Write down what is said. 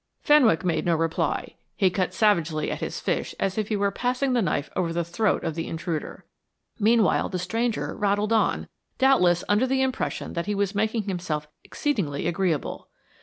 Fenwick made no reply; he cut savagely at his fish as if he were passing the knife over the throat of the intruder. Meanwhile the stranger rattled on, doubtless under the impression that he was making himself exceedingly agreeable.